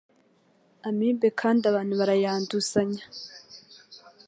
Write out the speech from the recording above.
Amibe kandi abantu barayanduzanya